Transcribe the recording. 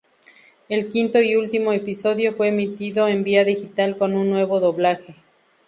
El quinto y último episodio fue emitido en Vía Digital con un nuevo doblaje.